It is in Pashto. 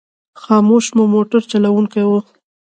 خاموش مو موټر چلوونکی و.